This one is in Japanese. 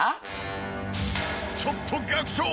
ちょっと学長